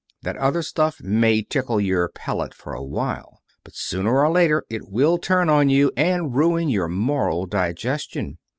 That other stuff may tickle your palate for a while, but sooner or later it will turn on you, and ruin your moral digestion.